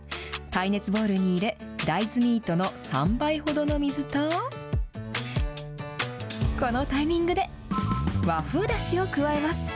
耐熱ボウルに入れ、大豆ミートの３倍ほどの水と、このタイミングで和風だしを加えます。